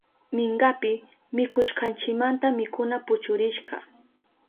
Minkapi mikushkanchimanta mikuna puchurishka.